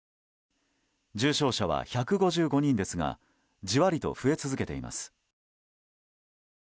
重症者は１５５人ですがじわりと増え続けています。